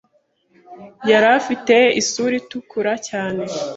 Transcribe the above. Yari afite isura itukura cyane